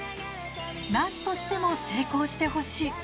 なんとしても成功してほしい。